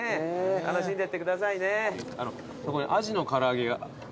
楽しんでってくださいね。